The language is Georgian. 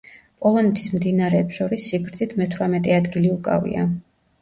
პოლონეთის მდინარეებს შორის სიგრძით მეთვრამეტე ადგილი უკავია.